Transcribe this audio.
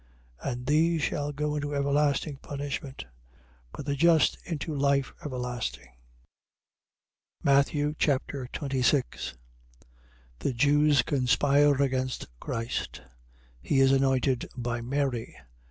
And these shall go into everlasting punishment: but the just, into life everlasting. Matthew Chapter 26 The Jews conspire against Christ. He is anointed by Mary.